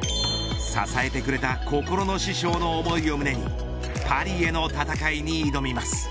支えてくれた心の師匠の思いを胸にパリへの戦いに挑みます。